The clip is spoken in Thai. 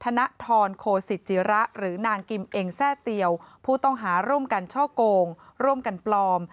ธนทรโคสิจิระหรือนางกิมเองแทร่เตียวผู้ต้องหาร่วมกันช่อโกงร่วมกันปลอม